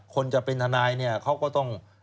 คนจะเป็นทนายเนี่ยเขาก็ต้อง